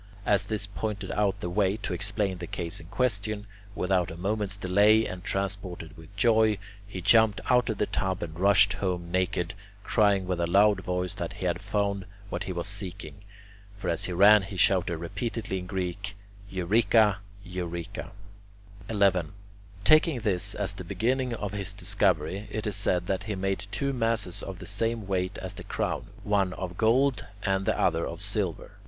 As this pointed out the way to explain the case in question, without a moment's delay, and transported with joy, he jumped out of the tub and rushed home naked, crying with a loud voice that he had found what he was seeking; for as he ran he shouted repeatedly in Greek, "[Greek: Eureka, eureka]." 11. Taking this as the beginning of his discovery, it is said that he made two masses of the same weight as the crown, one of gold and the other of silver.